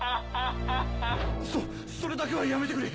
そそれだけはやめてくれ！